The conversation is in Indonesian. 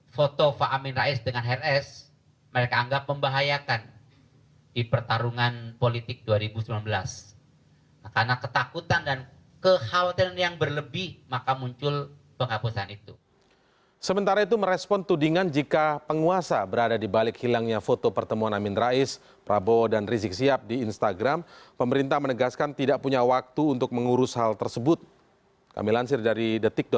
foto pak amin rais dengan hrs mereka anggap membahayakan di pertarungan politik dua ribu sembilan belas